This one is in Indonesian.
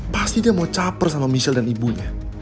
pasti dia mau caper sama michelle dan ibunya